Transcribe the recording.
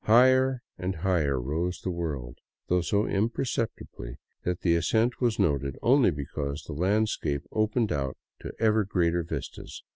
Higher and higher rose the world, though so imperceptibly that the ascent was noted only because the landscape opened out to ever greater vistas.